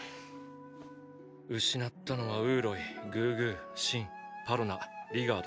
失ったのはウーロイグーグーシンパロナリガードか。